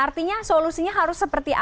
artinya solusinya harus seperti apa